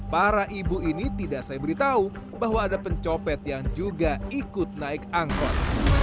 para ibu ini tidak saya beritahu bahwa ada pencopet yang juga ikut naik angkot